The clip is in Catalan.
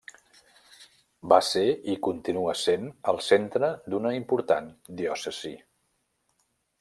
Va ser i continua sent el centre d'una important diòcesi.